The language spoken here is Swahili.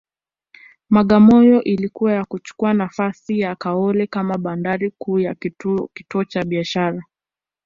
Bagamoyo ilikua na kuchukua nafasi ya Kaole kama bandari kuu na kituo cha biashara